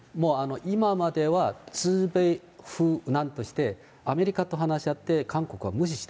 今まではつう米風なんとして、アメリカと話し合って、韓国は無視した。